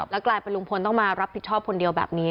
กลายเป็นลุงพลต้องมารับผิดชอบคนเดียวแบบนี้